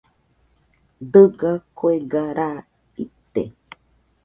Dɨga kuega raa ite.